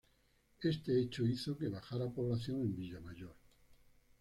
Este hecho hizo que bajara población en Villamayor.